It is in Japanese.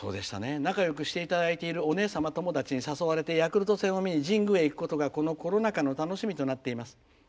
「仲よくしてくれているお姉さん友達に誘われて、ヤクルト戦に神宮へ行くことが、コロナ禍の楽しみになっています。